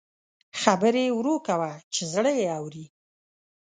خبرې ورو کوه چې زړه یې اوري